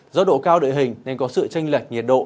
do độ cao đội hình nên có sự tranh lệch nhiệt độ